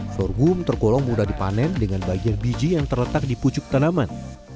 sorghum tergolong mudah dipanen dengan bagian biji yang terletak di pucuk tanaman